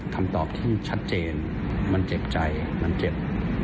คำตอบที่ชัดเจนมันเจ็บใจมันเจ็บ